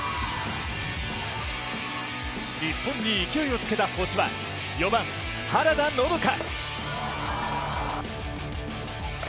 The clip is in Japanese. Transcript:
日本に勢いをつけた星は４番、原田のどか。